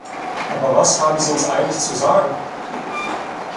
Aber was haben Sie uns eigentlich zu sagen?